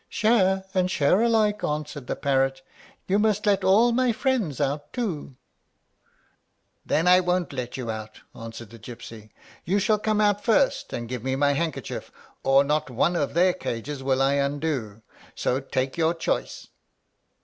"Share and share alike," answered the parrot; "you must let all my friends out too." "Then I won't let you out," answered the gypsy. "You shall come out first, and give me my handkerchief, or not one of their cages will I undo. So take your choice."